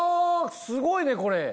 すごいねこれ。